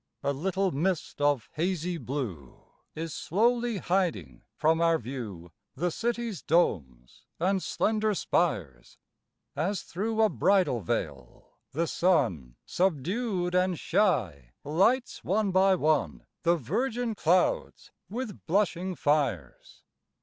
A little mist of hazy blue Is slowly hiding from our view The city's domes and slender spires, As thro' a bridal veil the sun Subdued and shy lights one by one The virgin clouds with blushing fires.